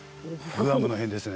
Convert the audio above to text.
グアムの辺ですね。